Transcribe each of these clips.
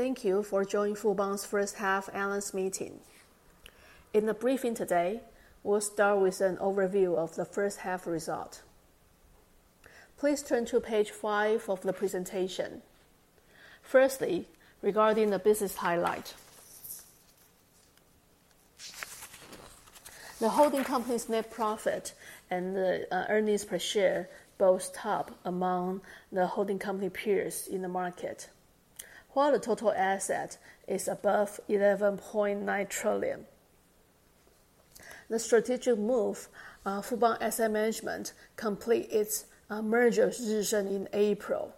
Thank you for joining Fubon's First Half Analyst Meeting. In the briefing today, we'll start with an overview of the first half results. Please turn to page five of the presentation. Firstly, regarding the business highlights. The holding company's net profit and earnings per share both top among the holding company peers in the market, while the total asset is above $11.9 trillion. The strategic move Fubon Asset Management completed its merger decision in April.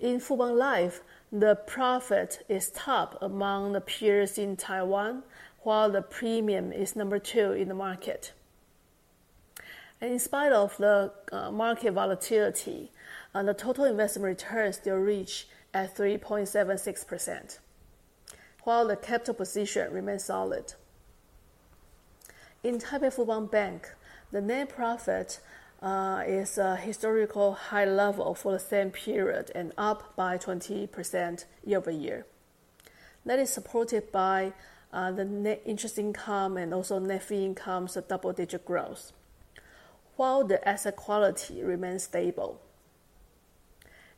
In Fubon Life, the profit is top among the peers in Taiwan, while the premium is number two in the market. In spite of the market volatility, the total investment returns still reach at 3.76%, while the capital position remains solid. In Taipei Fubon Bank, the net profit is at a historically high level for the same period and up by 20% year-over-year. That is supported by the net interest income and also net fee income's double-digit growth, while the asset quality remains stable.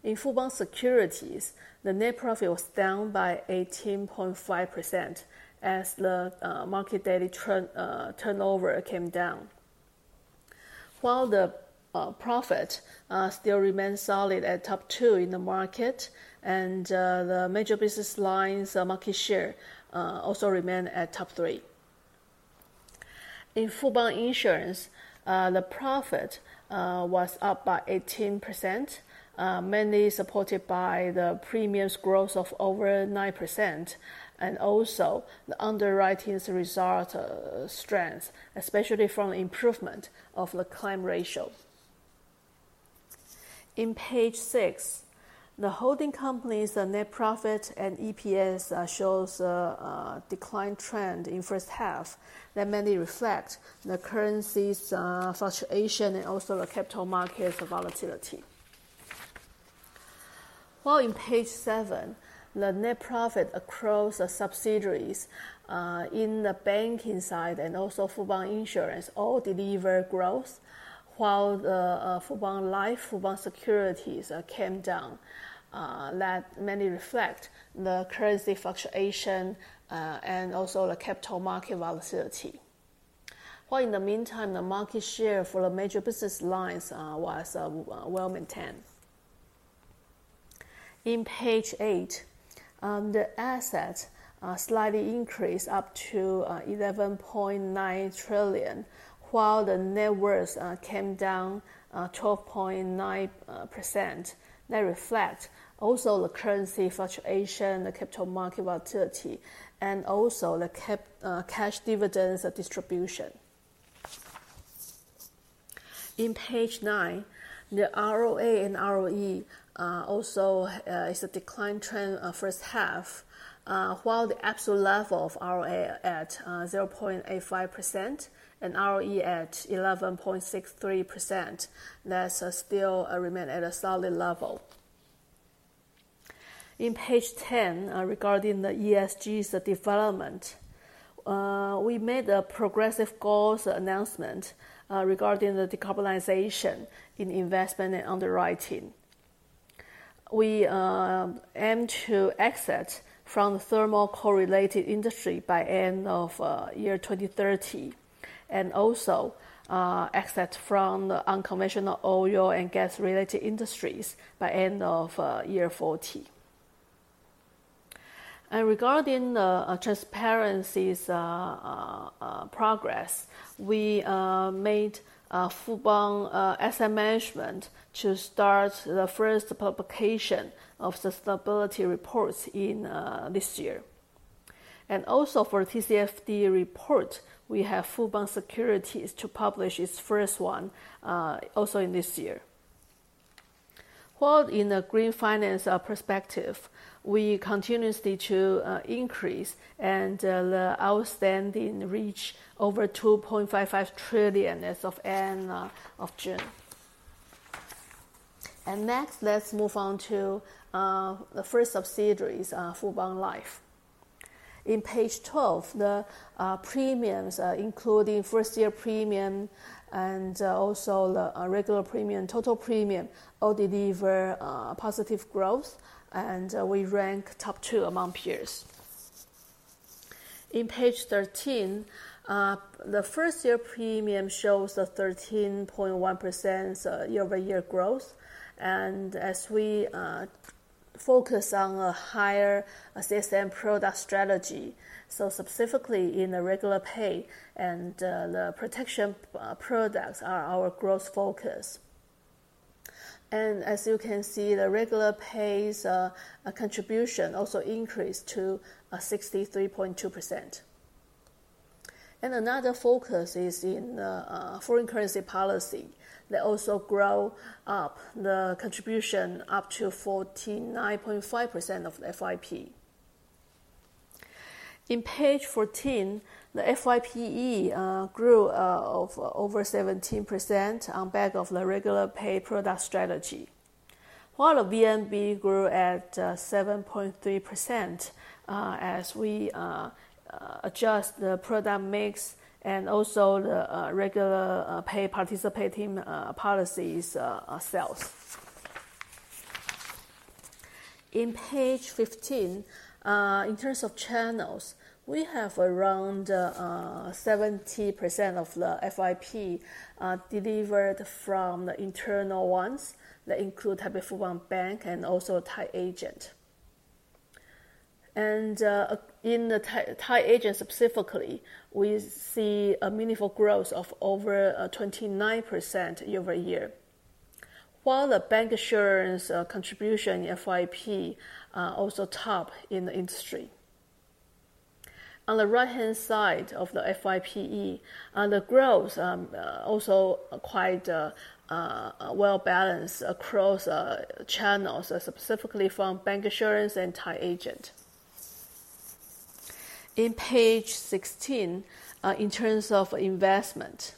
In Fubon Securities, the net profit was down by 18.5% as the market daily turnover came down. While the profit still remains solid at top two in the market, and the major business lines' market share also remains at top three. In Fubon Insurance, the profit was up by 18%, mainly supported by the premium's growth of over 9% and also the underwriting's results' strength, especially from the improvement of the claim ratio. In page six, the holding company's net profit and EPS show a declining trend in the first half that mainly reflects the currency's fluctuation and also the capital market's volatility. While in page seven, the net profit across the subsidiaries in the banking side and also Fubon Insurance all delivered growth, while the Fubon Life, Fubon Securities came down, that mainly reflects the currency fluctuation and also the capital market volatility. While in the meantime, the market share for the major business lines was well maintained. In page eight, the assets slightly increased up to $11.9 trillion, while the net worth came down 12.9%. That reflects also the currency fluctuation, the capital market volatility, and also the cash dividends distribution. In page nine, the ROA and ROE also have a declining trend in the first half, while the absolute level of ROA is at 0.85% and ROE at 11.63%. That still remains at a solid level. In page 10, regarding the ESG's development, we made a progressive goals announcement regarding the decarbonization in investment and underwriting. We aim to exit from the thermal coal-related industry by the end of year 2030 and also exit from the unconventional oil and gas-related industries by the end of year 2040. Regarding the transparency's progress, we made Fubon Asset Management should start the first publication of the stability reports this year. Also, for the TCFD reports, we have Fubon Securities publish its first one this year. From the green finance perspective, we continue to increase and the outstanding reached over NT$2.55 trillion as of the end of June. Next, let's move on to the first subsidiaries, Fubon Life. In page 12, the premiums, including first-year premium and also the regular premium and total premium, all deliver positive growth, and we rank top two among peers. In page 13, the first-year premium shows a 13.1% year-over-year growth. As we focus on a higher CSRM product strategy, specifically the regular paid and the protection policies are our growth focus. As you can see, the regular paid's contribution also increased to 63.2%. Another focus is in the foreign currency policy. They also grew the contribution up to 49.5% of the FYP. In page 14, the FYP grew over 17% on the back of the regular paid product strategy, while the VNB grew at 7.3% as we adjust the product mix and also the regular paid participating policies ourselves. In page 15, in terms of channels, we have around 70% of the FYP delivered from the internal ones that include Taipei Fubon Bank and also tied agent. In the tied agent specifically, we see a meaningful growth of over 29% year-over-year. While the bank assurance contribution FYP also tops in the industry. On the right-hand side of the FYP, the growth is also quite well balanced across channels, specifically from bancassurance and tied agent. In page 16, in terms of investment.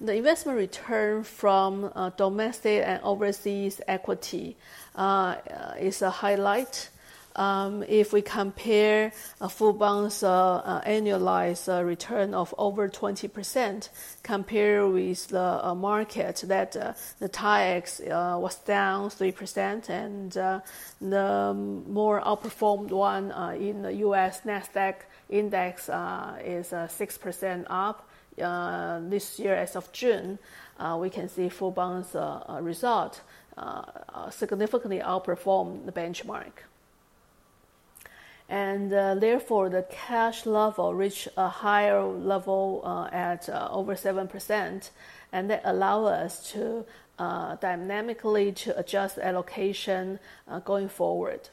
The investment return from domestic and overseas equity is a highlight. If we compare Fubon's annualized return of over 20% compare with the market, the TAIEX was down 3%, and the more outperformed one in the U.S. NASDAQ index is 6% up this year as of June. We can see Fubon's result significantly outperformed the benchmark. Therefore, the cash level reached a higher level at over 7%, and that allowed us to dynamically adjust allocation going forward.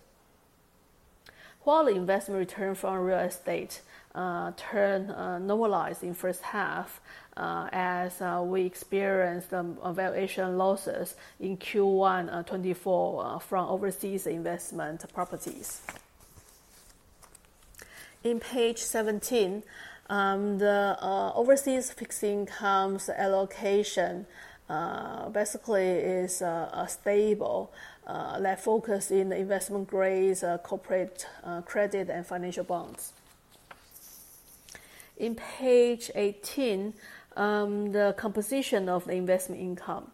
While the investment return from real estate turned normalized in the first half, as we experienced the valuation losses in Q1 2024 from overseas investment properties. In page 17, the overseas fixed income's allocation basically is stable. They're focus in the investment grades of corporate credit and financial bonds. In page 18, the composition of the investment income,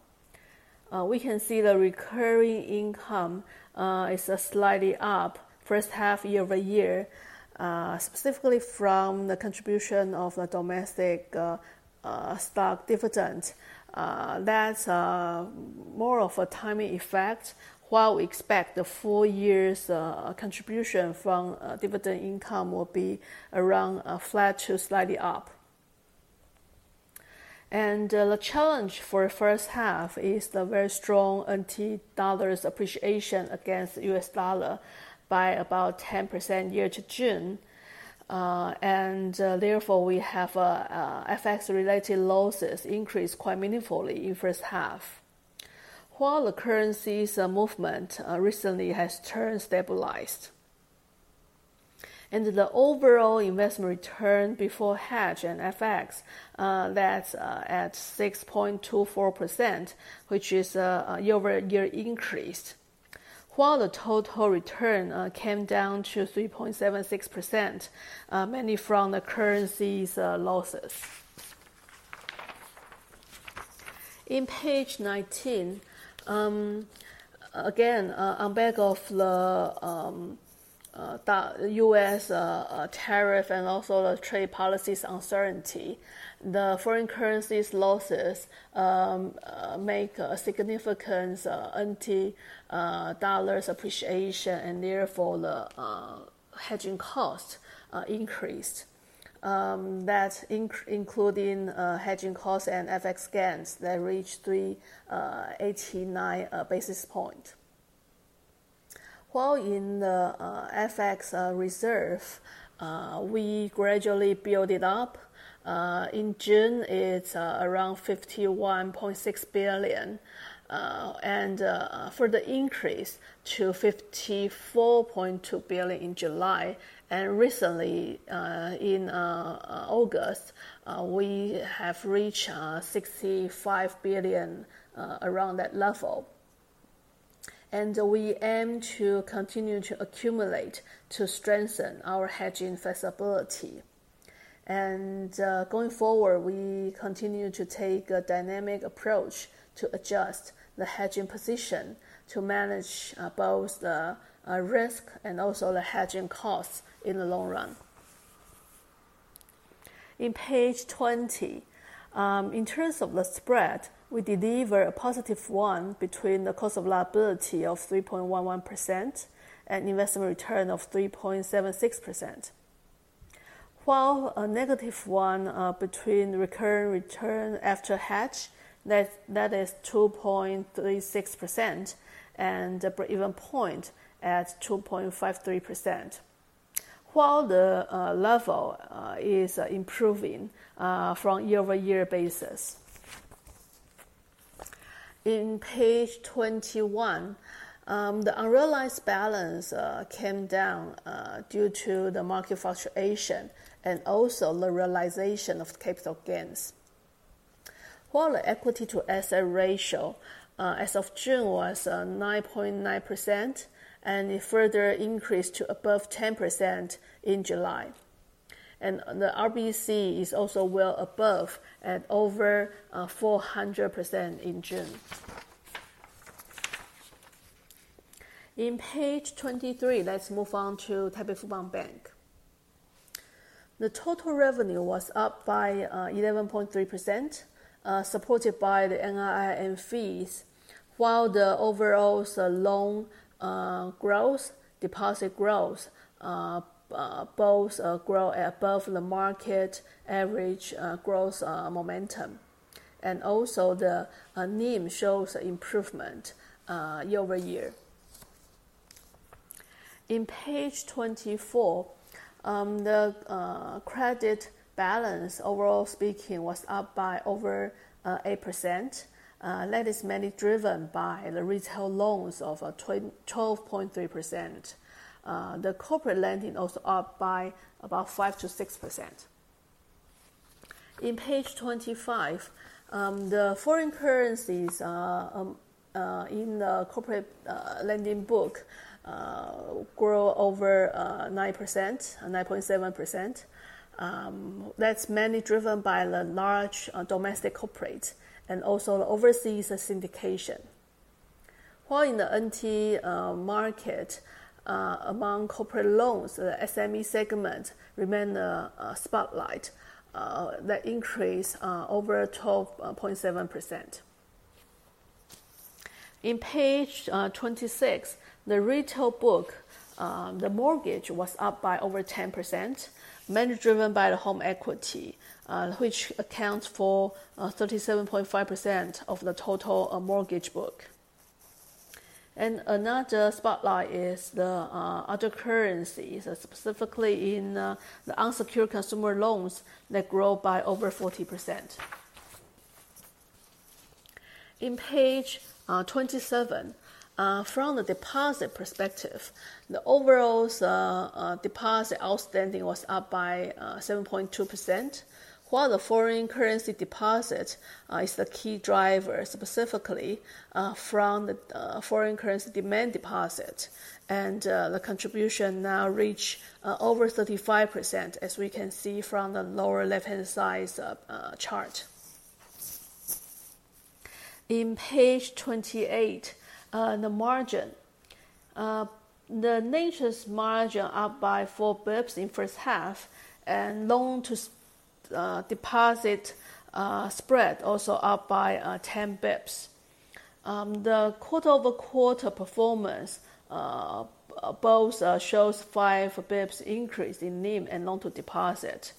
we can see the recurring income is slightly up first half year-over-year, specifically from the contribution of the domestic stock dividend. That's more of a timing effect. While we expect the full year's contribution from dividend income will be around flat to slightly up. The challenge for the first half is the very strong NT dollar appreciation against the U.S. dollar by about 10% year to June. Therefore, we have FX-related losses increased quite meaningfully in the first half. While the currency's movement recently has turned stabilized. The overall investment return before hedge and FX, that's at 6.24%, which is a year-over-year increase. The total return came down to 3.76%, mainly from the currency's losses. On page 19, again, on the back of the U.S. tariff and also the trade policy's uncertainty, the foreign currency's losses make a significant NT dollar appreciation, and therefore, the hedging cost increased. That's including hedging costs and FX gains that reached 3.89 basis points. While in the FX reserve, we gradually build it up. In June, it's around $51.6 billion and further increase to $54.2 billion in July and recently, in August, we have reached $65 billion around that level. We aim to continue to accumulate to strengthen our hedging flexibility. Going forward, we continue to take a dynamic approach to adjust the hedging position to manage both the risk and also the hedging costs in the long run. In page 20, in terms of the spread, we deliver a +1 between the cost of liability of 3.11% and investment return of 3.76%. While -1 between recurring return after hedge, that is 2.36% and the break-even point at 2.53% while the level is improving from a year-over-year basis. In page 21, the unrealized balance came down due to the market fluctuation and also the realization of the capital gains. While the equity-to-asset ratio as of June was 9.9%, and it further increased to above 10% in July. The RBC is also well above at over 400% in June. In page 23, let's move on to Taipei Fubon Bank. The total revenue was up by 11.3%, supported by the NIM fees while the overall loan growth, deposit growth both grow at above the market average growth momentum, and also the NIM shows improvement year-over-year. In page 24, the credit balance, overall speaking, was up by over 8%, that is mainly driven by the retail loans of 12.3%. The corporate lending also up by about 5%-6%. In page 25, the foreign currencies in the corporate lending book grow over 9%, 9.7%. That's mainly driven by the large domestic corporate and also the overseas syndication. While in the NT market, among corporate loans, the SME segment remains the spotlight, that increased over 12.7%. In page 26, the retail book, the mortgage was up by over 10%, mainly driven by the home equity, which accounts for 37.5% of the total mortgage book. Another spotlight is the other currencies, specifically in the unsecured consumer loans that grow by over 40%. In page 27, from the deposit perspective, the overall deposit outstanding was up by 7.2% while the foreign currency deposit is the key driver, specifically from the foreign currency demand deposit, and the contribution now reached over 35%, as we can see from the lower left-hand side chart. In page 28, the margin. The net interest margin up by 4 bps in the first half, and loan-to-deposit spread also up by 10 bps. The quarter-over-quarter performance both shows 5 bps increase in NIM and loan-to-deposit.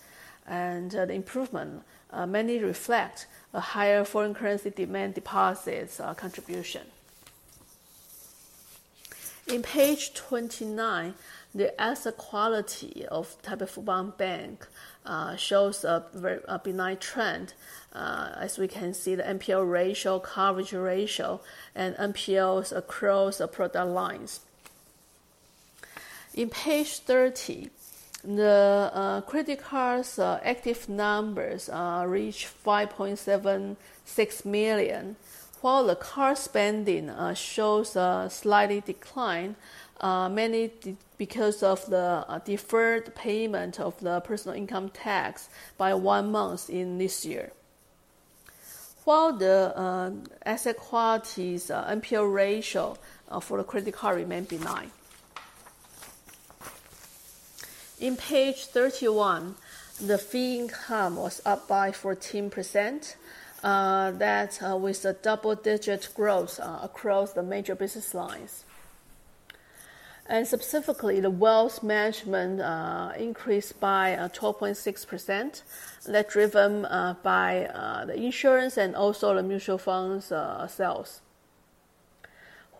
The improvement mainly reflects a higher foreign currency demand deposit contribution. In page 29, the asset quality of Taipei Fubon Bank shows a very benign trend, as we can see the NPL ratio, coverage ratio, and NPLs across the product lines. In page 30, the credit cards' active numbers reached $5.76 million. While the card spending shows a slight decline, mainly because of the deferred payment of the personal income tax by one month in this year. The asset quality's NPL ratio for the credit card remains benign. In page 31, the fee income was up by 14%, that's with a double-digit growth across the major business lines. Specifically, the wealth management increased by 12.6%, that's driven by the insurance and also the mutual funds sales.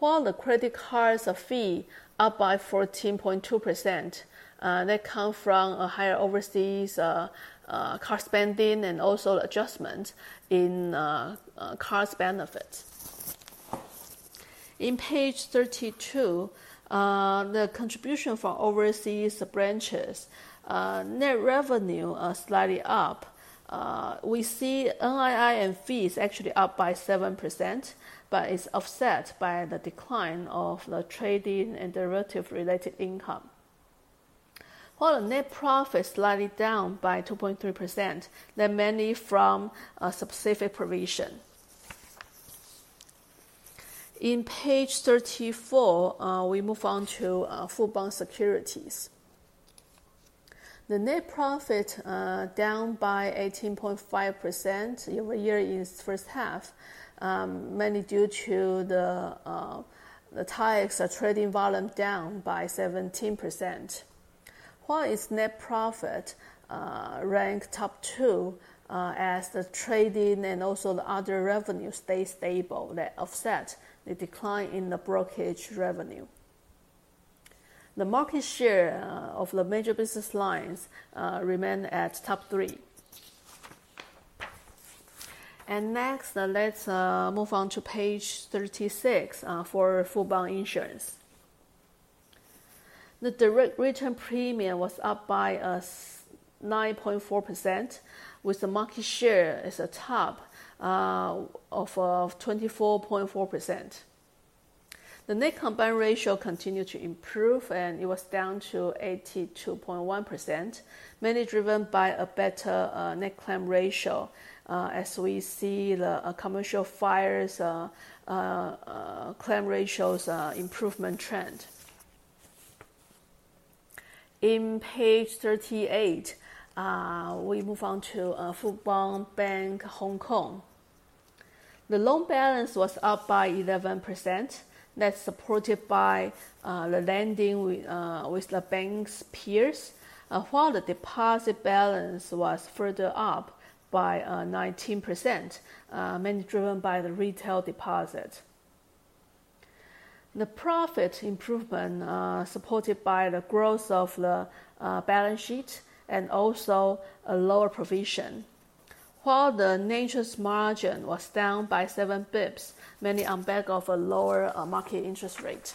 The credit cards' fee up by 14.2%, that comes from a higher overseas card spending and also adjustments in card benefits. In page 32, the contribution from overseas branches, net revenue slightly up. We see NIM fees actually up by 7%, but it's offset by the decline of the trading and derivative-related income. The net profit is slightly down by 2.3%, that's mainly from a specific provision. In page 34, we move on to Fubon Securities. The net profit is down by 18.5% year-over-year in its first half, mainly due to the TAIEX trading volume down by 17%. While its net profit ranked top two, as the trading and also the other revenue stayed stable, that offset the decline in the brokerage revenue. The market share of the major business lines remains at top three. Next, let's move on to page 36 for Fubon Insurance. The direct written premium was up by 9.4%, with the market share as a top of 24.4%. The net combined ratio continued to improve, and it was down to 82.1%, mainly driven by a better net claim ratio, as we see the commercial fire claim ratios improvement trend. In page 38, we move on to Fubon Bank Hong Kong. The loan balance was up by 11%, that's supported by the lending with the bank's peers. While the deposit balance was further up by 19%, mainly driven by the retail deposit. The profit improvement supported by the growth of the balance sheet and also a lower provision. While the net interest margin was down by 7 bps, mainly on the back of a lower market interest rate.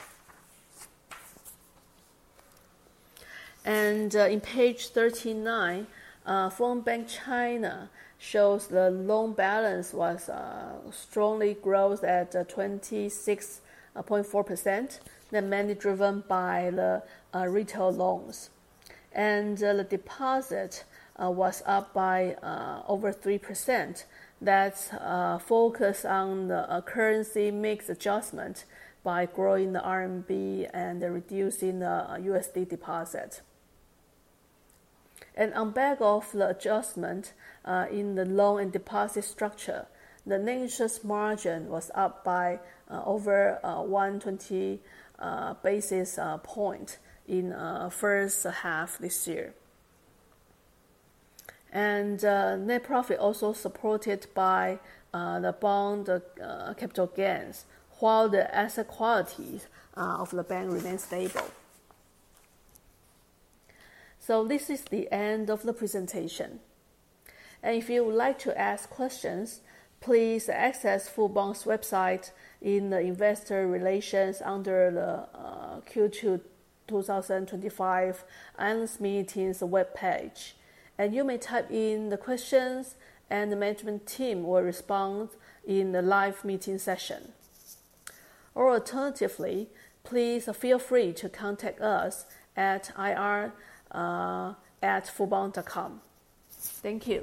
In page 39, Fubon Bank China shows the loan balance was strongly growth at 26.4%. That's mainly driven by the retail loans. The deposit was up by over 3%. That's focused on the currency mix adjustment by growing the RMB and reducing the USD deposit. On the back of the adjustment in the loan and deposit structure, the net interest margin was up by over 120 basis points in the first half this year. Net profit also supported by the bond capital gains. While the asset qualities of the bank remain stable. This is the end of the presentation. If you would like to ask questions, please access Fubon's website in the investor relations under the Q2 2025 IMs meetings web page. You may type in the questions, and the management team will respond in the live meeting session. Alternatively, please feel free to contact us at ir@fubon.com. Thank you.